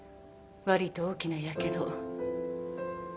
わりと大きなやけど。